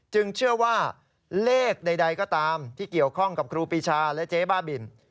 เชื่อว่าเลขใดก็ตามที่เกี่ยวข้องกับครูปีชาและเจ๊บ้าบิน